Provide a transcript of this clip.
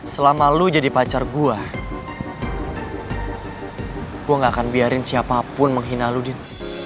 selama lo jadi pacar gue gak akan biarin siapapun menghina lo din